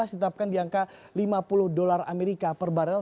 ditetapkan di angka lima puluh dolar amerika per barrel